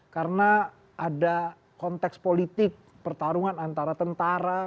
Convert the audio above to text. karena ada konteks politik pertarungan antara tentara